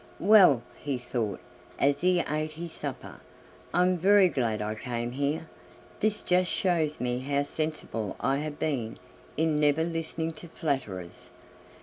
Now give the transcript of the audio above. "Well!" he thought, as he ate his supper, "I'm very glad I came here. This just shows me how sensible I have been in never listening to flatterers.